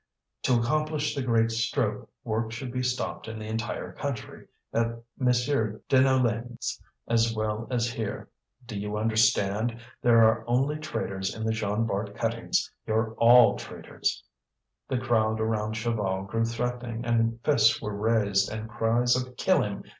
To accomplish the great stroke, work should be stopped in the entire country, at Monsieur Deneulin's as well as here. Do you understand? there are only traitors in the Jean Bart cuttings; you're all traitors!" The crowd around Chaval grew threatening, and fists were raised and cries of "Kill him!